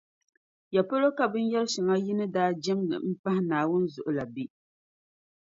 Yapolo ka binyεri shεŋa yi ni daa jεmdi m-pahi Naawuni zuɣu la be?